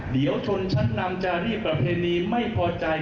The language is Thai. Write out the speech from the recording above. เดี่ยวทนฉันนำจะรีบประเพนท์นี้ไม่พอใจ